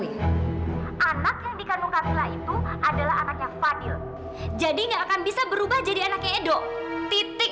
itu adalah anaknya fadil jadi nggak akan bisa berubah jadi anaknya edho titik